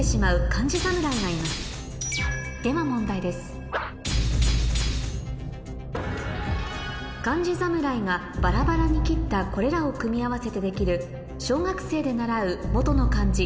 漢字侍がバラバラに切ったこれらを組み合わせてできる小学生で習う元の漢字